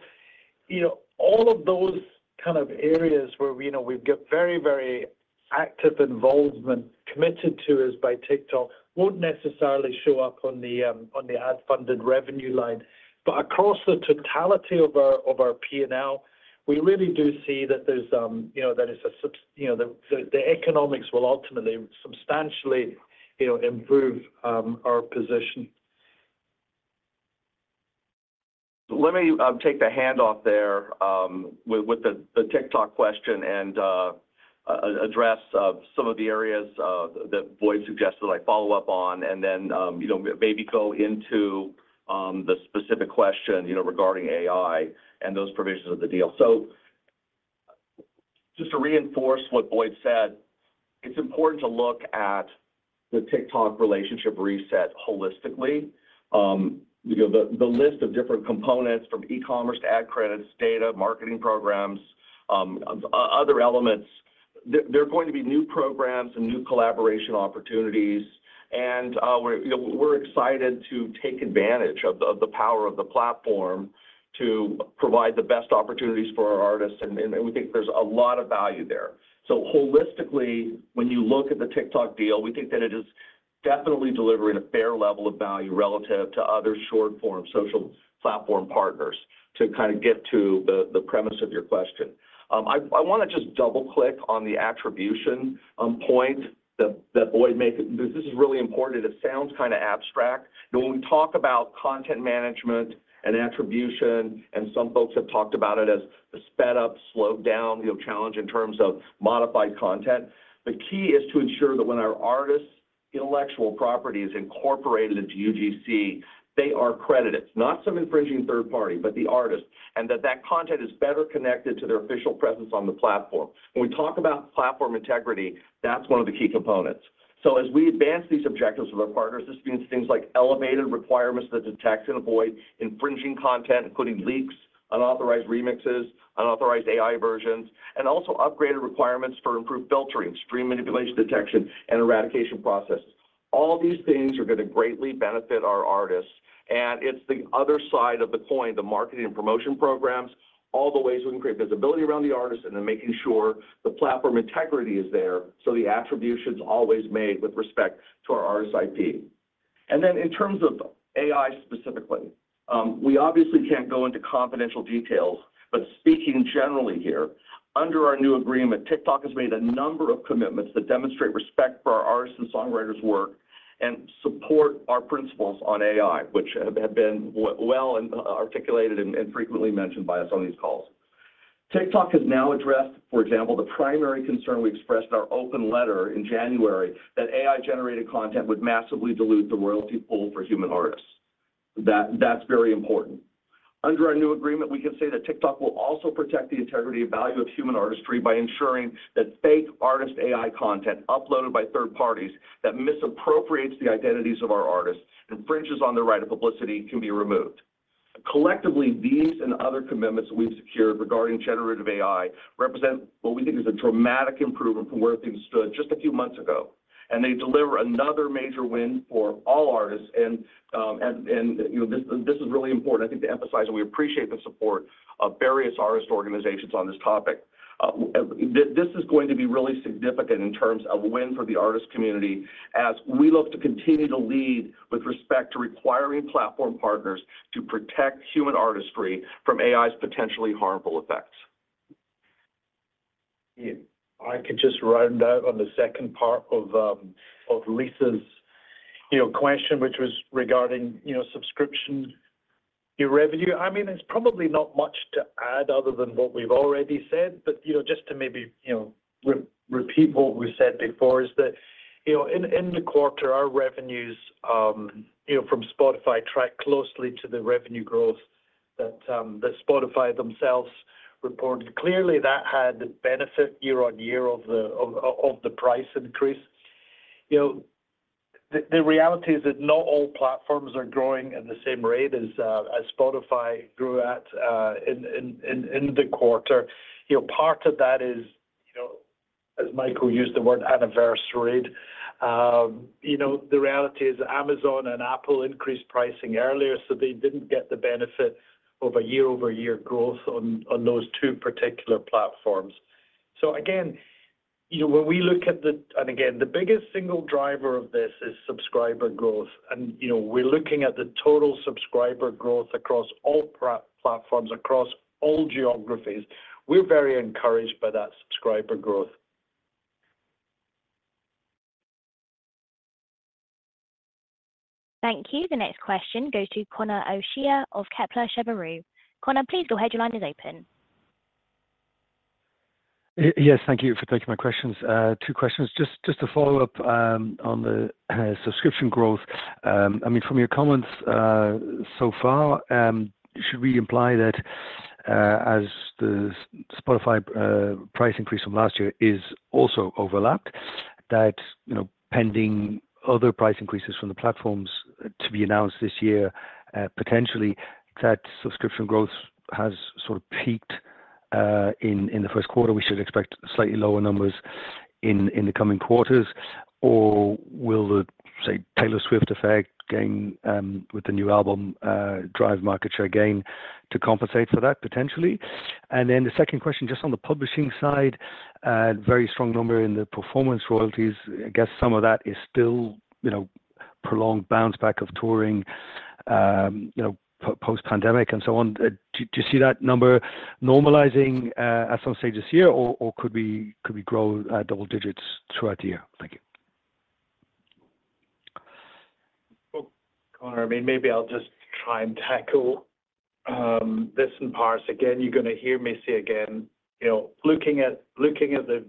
You know, all of those kind of areas where we know we've got very, very active involvement committed to us by TikTok, won't necessarily show up on the, on the ad-funded revenue line. But across the totality of our, of our P&L, we really do see that there's, you know, there is a, you know, the, the economics will ultimately, substantially, you know, improve, our position. Let me take the handoff there with the TikTok question and address some of the areas that Boyd suggested I follow up on, and then you know, maybe go into the specific question you know, regarding AI and those provisions of the deal. Just to reinforce what Boyd said, it's important to look at the TikTok relationship reset holistically. You know, the list of different components from e-commerce to ad credits, data, marketing programs, other elements; there are going to be new programs and new collaboration opportunities. And we're you know, we're excited to take advantage of the power of the platform to provide the best opportunities for our artists, and we think there's a lot of value there. So holistically, when you look at the TikTok deal, we think that it is definitely delivering a fair level of value relative to other short-form social platform partners, to kind of get to the premise of your question. I wanna just double-click on the attribution point that Boyd made. This is really important. It sounds kinda abstract, but when we talk about content management and attribution, and some folks have talked about it as the sped up, slowed down, you know, challenge in terms of modified content, the key is to ensure that when our artists' intellectual property is incorporated into UGC, they are credited, not some infringing third party, but the artist, and that that content is better connected to their official presence on the platform. When we talk about platform integrity, that's one of the key components. So as we advance these objectives with our partners, this means things like elevated requirements that detect and avoid infringing content, including leaks, unauthorized remixes, unauthorized AI versions, and also upgraded requirements for improved filtering, stream manipulation detection, and eradication process. All these things are gonna greatly benefit our artists, and it's the other side of the coin, the marketing and promotion programs, all the ways we can create visibility around the artists and then making sure the platform integrity is there, so the attribution's always made with respect to our artist IP. And then in terms of AI specifically, we obviously can't go into confidential details, but speaking generally here, under our new agreement, TikTok has made a number of commitments that demonstrate respect for our artists' and songwriters' work and support our principles on AI, which have been well articulated and frequently mentioned by us on these calls. TikTok has now addressed, for example, the primary concern we expressed in our open letter in January, that AI-generated content would massively dilute the royalty pool for human artists. That, that's very important. Under our new agreement, we can say that TikTok will also protect the integrity and value of human artistry by ensuring that fake artist AI content uploaded by third parties, that misappropriates the identities of our artists, infringes on their right of publicity, can be removed. Collectively, these and other commitments we've secured regarding generative AI represent what we think is a dramatic improvement from where things stood just a few months ago, and they deliver another major win for all artists. And, you know, this is really important, I think, to emphasize, and we appreciate the support of various artist organizations on this topic. This is going to be really significant in terms of win for the artist community as we look to continue to lead with respect to requiring platform partners to protect human artistry from AI's potentially harmful effects. If I could just round out on the second part of Lisa's question, which was regarding subscription revenue. I mean, there's probably not much to add other than what we've already said, but just to maybe re-repeat what we said before, is that in the quarter, our revenues from Spotify tracked closely to the revenue growth that Spotify themselves reported. Clearly, that had the benefit year on year of the price increase. You know, the reality is that not all platforms are growing at the same rate as Spotify grew at in the quarter. You know, part of that is as Michael used the word anniversaryed. You know, the reality is Amazon and Apple increased pricing earlier, so they didn't get the benefit of a year-over-year growth on those two particular platforms. So again, you know, when we look at and again, the biggest single driver of this is subscriber growth, and, you know, we're looking at the total subscriber growth across all platforms, across all geographies. We're very encouraged by that subscriber growth. Thank you. The next question goes to Conor O'Shea of Kepler Cheuvreux. Conor, please go ahead. Your line is open. Yes, thank you for taking my questions. Two questions. Just, just to follow up, on the subscription growth, I mean, from your comments so far, should we imply that, as the Spotify price increase from last year is also overlapped, that, you know, pending other price increases from the platforms to be announced this year, potentially that subscription growth has sort of peaked in the first quarter? We should expect slightly lower numbers in the coming quarters, or will the, say, Taylor Swift effect, again, with the new album, drive market share again to compensate for that, potentially? And then the second question, just on the publishing side, very strong number in the performance royalties. I guess some of that is still, you know, prolonged bounce back of touring, post-pandemic and so on. Do you see that number normalizing at some stage this year, or could we grow double digits throughout the year? Thank you. Well, Conor, I mean, maybe I'll just try and tackle this in parts. Again, you're gonna hear me say again, you know, looking at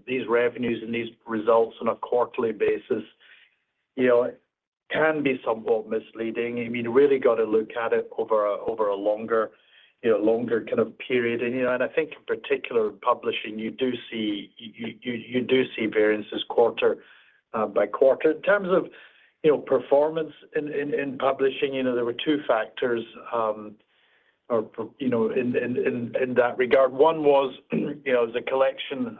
these revenues and these results on a quarterly basis. You know, it can be somewhat misleading. I mean, you really got to look at it over a longer, you know, longer kind of period. And, you know, and I think in particular, publishing, you do see variances quarter by quarter. In terms of, you know, performance in publishing, you know, there were two factors, or, you know, in that regard. One was, you know, the collection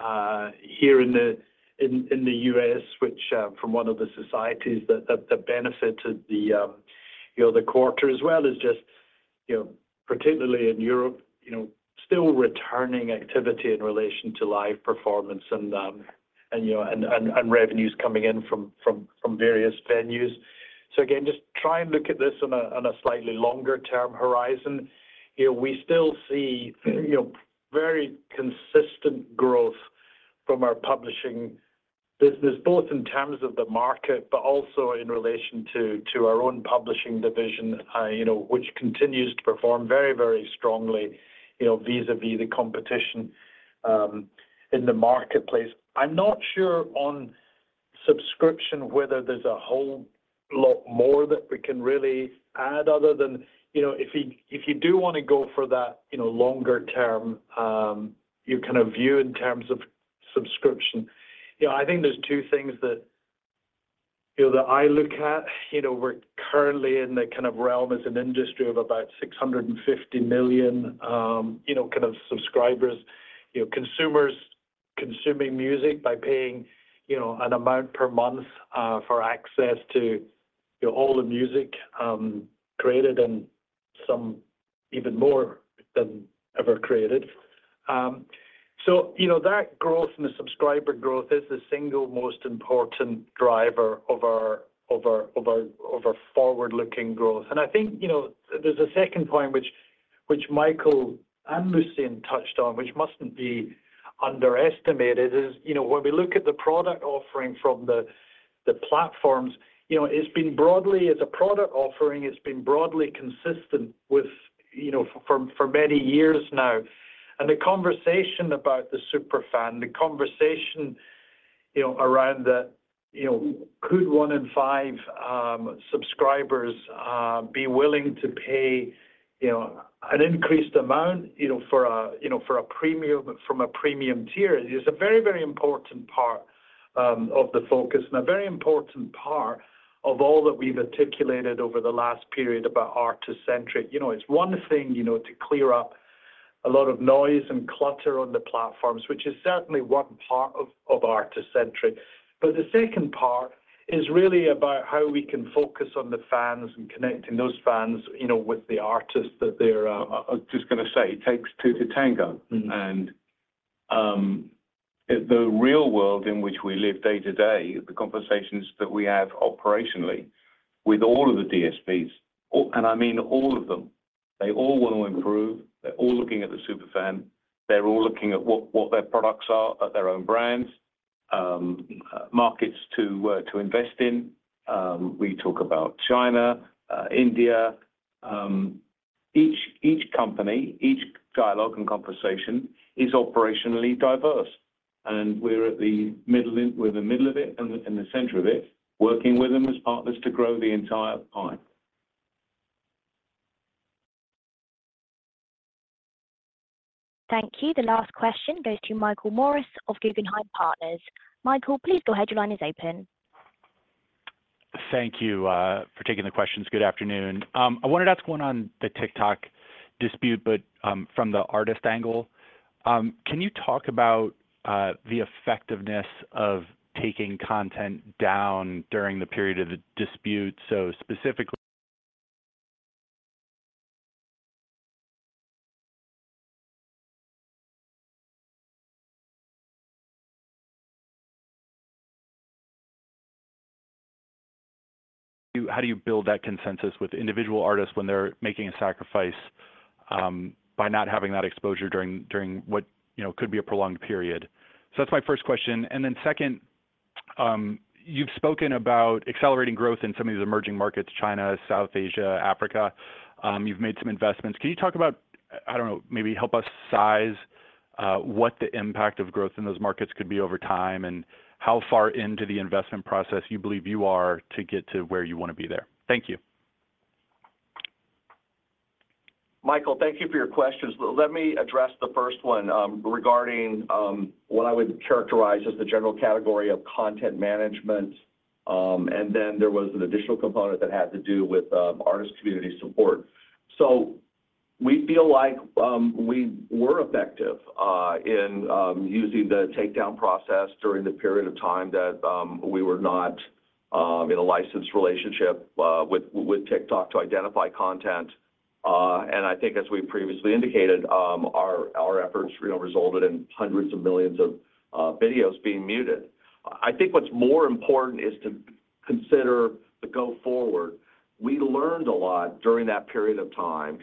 here in the U.S., which from one of the societies that benefited the, you know, the quarter, as well as just, you know, particularly in Europe, you know, still returning activity in relation to live performance and, you know, and revenues coming in from various venues. So again, just try and look at this on a slightly longer-term horizon. You know, we still see, you know, very consistent growth from our publishing business, both in terms of the market, but also in relation to our own publishing division, you know, which continues to perform very, very strongly, you know, vis-a-vis the competition in the marketplace. I'm not sure on subscription, whether there's a whole lot more that we can really add other than, you know, if you, if you do want to go for that, you know, longer term, you kind of view in terms of subscription. You know, I think there's two things that, you know, that I look at. You know, we're currently in the kind of realm as an industry of about 650 million, you know, kind of subscribers, you know, consumers consuming music by paying, you know, an amount per month, for access to, you know, all the music, created and some even more than ever created. So, you know, that growth and the subscriber growth is the single most important driver of our forward-looking growth. I think, you know, there's a second point which Michael and Lucian touched on, which mustn't be underestimated, is, you know, when we look at the product offering from the platforms, you know, it's been broadly... As a product offering, it's been broadly consistent with, you know, for many years now. And the conversation about the super fan, the conversation, you know, around the, you know, could 1 in 5 subscribers be willing to pay, you know, an increased amount, you know, for a premium, from a premium tier is a very, very important part of the focus and a very important part of all that we've articulated over the last period about artist-centric. You know, it's one thing, you know, to clear up a lot of noise and clutter on the platforms, which is certainly one part of artist-centric. But the second part is really about how we can focus on the fans and connecting those fans, you know, with the artists that they're, I'm just gonna say, it takes two to tango. Mm-hmm. And, the real world in which we live day-to-day, the conversations that we have operationally with all of the DSPs, all, and I mean, all of them, they all want to improve. They're all looking at the super fan. They're all looking at what, what their products are at their own brands, markets to, to invest in. We talk about China, India. Each, each company, each dialogue and conversation is operationally diverse, and we're at the middle of it, we're in the middle of it, and the, in the center of it, working with them as partners to grow the entire pie. Thank you. The last question goes to Michael Morris of Guggenheim Partners. Michael, please go ahead. Your line is open. Thank you for taking the questions. Good afternoon. I wanted to ask what went on the TikTok dispute, but from the artist angle. Can you talk about the effectiveness of taking content down during the period of the dispute? So specifically, how do you build that consensus with individual artists when they're making a sacrifice by not having that exposure during what, you know, could be a prolonged period? So that's my first question. And then second, you've spoken about accelerating growth in some of these emerging markets: China, South Asia, Africa. You've made some investments. Can you talk about, I don't know, maybe help us size what the impact of growth in those places could be over time, and how far into the investment process you believe you are to get to where you want to be there? Thank you. Michael, thank you for your questions. Let me address the first one, regarding what I would characterize as the general category of content management. And then there was an additional component that had to do with artist community support. So we feel like we were effective in using the takedown process during the period of time that we were not in a licensed relationship with TikTok to identify content. And I think as we previously indicated, our efforts, you know, resulted in hundreds of millions of videos being muted. I think what's more important is to consider the go forward. We learned a lot during that period of time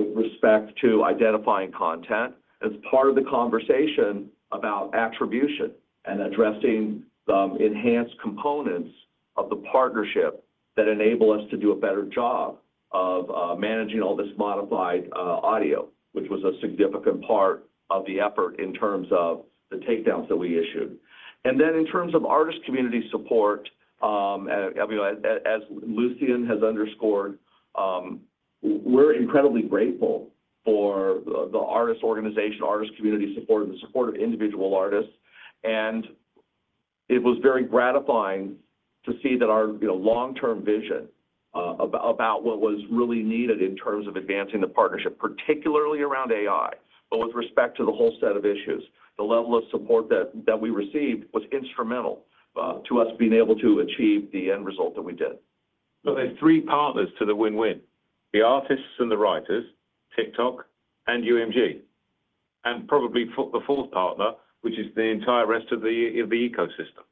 with respect to identifying content as part of the conversation about attribution and addressing the enhanced components of the partnership.... that enable us to do a better job of managing all this modified audio, which was a significant part of the effort in terms of the takedowns that we issued. Then in terms of artist community support, I mean, as Lucian has underscored, we're incredibly grateful for the artist organization, artist community support, and the support of individual artists. It was very gratifying to see that our, you know, long-term vision about what was really needed in terms of advancing the partnership, particularly around AI, but with respect to the whole set of issues, the level of support that we received was instrumental to us being able to achieve the end result that we did. So there's three partners to the win-win: the artists and the writers, TikTok, and UMG, and probably the fourth partner, which is the entire rest of the ecosystem.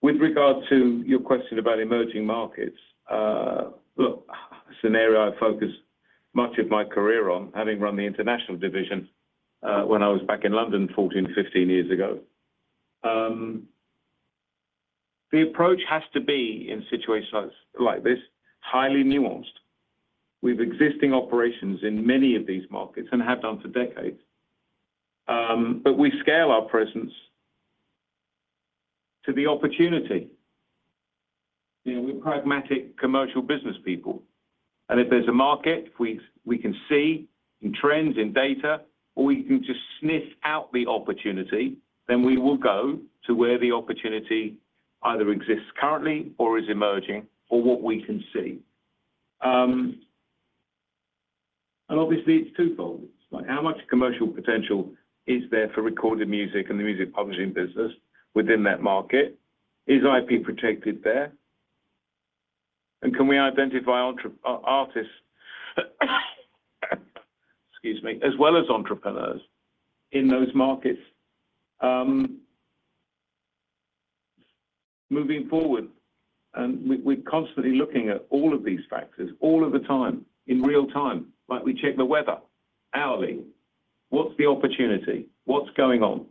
With regard to your question about emerging markets, look, scenario I focused much of my career on, having run the international division, when I was back in London 14, 15 years ago. The approach has to be, in situations like this, highly nuanced. We've existing operations in many of these markets and have done for decades. But we scale our presence to the opportunity. You know, we're pragmatic commercial business people, and if there's a market we can see in trends and data, or we can just sniff out the opportunity, then we will go to where the opportunity either exists currently or is emerging or what we can see. And obviously, it's twofold. It's like, how much commercial potential is there for recorded music and the music publishing business within that market? Is IP protected there? And can we identify artists, excuse me, as well as entrepreneurs in those markets? Moving forward, and we're constantly looking at all of these factors all of the time, in real time. Like, we check the weather hourly. What's the opportunity? What's going on?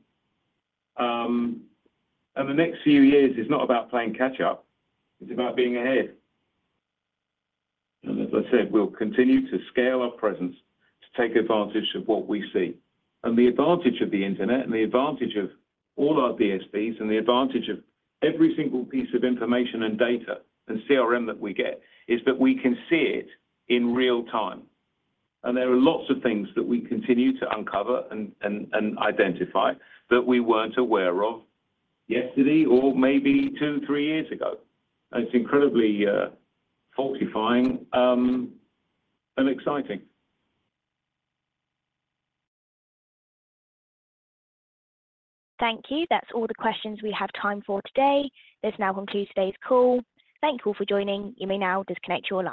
And the next few years is not about playing catch-up, it's about being ahead. And as I said, we'll continue to scale our presence to take advantage of what we see. And the advantage of the Internet, and the advantage of all our DSPs, and the advantage of every single piece of information and data and CRM that we get is that we can see it in real time. There are lots of things that we continue to uncover and identify that we weren't aware of yesterday or maybe two, three years ago. It's incredibly fortifying and exciting. Thank you. That's all the questions we have time for today. That now concludes today's call. Thank you all for joining. You may now disconnect your line.